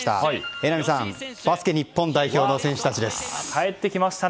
榎並さん、バスケ日本代表の選手たちです。